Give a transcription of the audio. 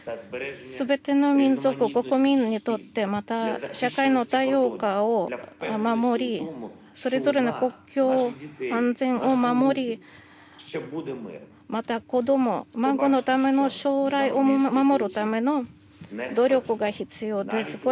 全ての民族、国民にとって、また社会の多様化を守り、それぞれの国境、安全を守り、また、子供、孫のための将来を守るための努力が必要です。